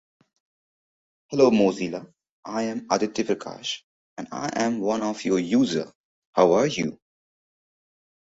It has also been recorded in the eastern Alps.